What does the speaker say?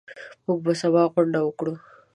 موږ به سبا غونډه وکړو.